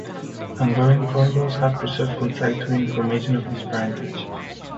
Hungarian chronicles have preserved contradictory information of his parentage.